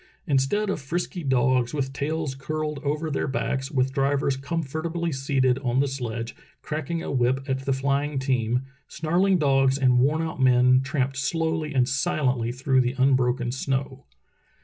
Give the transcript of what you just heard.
Instead of frisky dogs with tails curled over their backs, with drivers comfortably seated on the sledge cracking a whip at the flying team, snarling dogs and worn out men tramped slowly and silently through the unbroken snow.